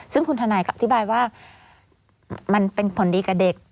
ซึ่งคุณทนายก็อธิบายว่ามันเป็นผลดีกับเด็ก